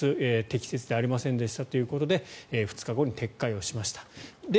適切ではありませんでしたということで２日後に撤回しました。